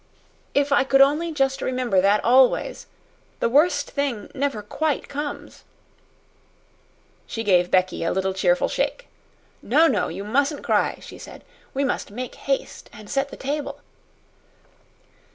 If I could only just remember that always. The worst thing never QUITE comes." She gave Becky a little cheerful shake. "No, no! You mustn't cry!" she said. "We must make haste and set the table."